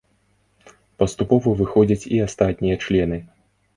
Паступова выходзяць і астатнія члены.